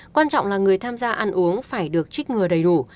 quan trọng là người tham gia ăn uống phải được trích ngừa đầy đủ